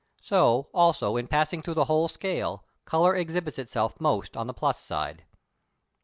So, also, in passing through the whole scale, colour exhibits itself most on the plus side.